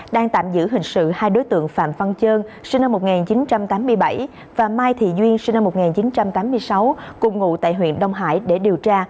mai thị duyên sinh năm một nghìn chín trăm tám mươi sáu cùng ngủ tại huyện đông hải để điều tra